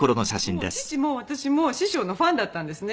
もう父も私も師匠のファンだったんですね。